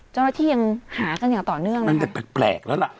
เจ้าหน้าที่ยังหากันอย่างต่อเนื่องนะตั้งแต่แปลกแล้วล่ะ